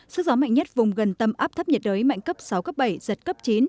sức gió mạnh nhất vùng gần tâm áp thấp nhiệt đới mạnh cấp sáu cấp bảy giật cấp chín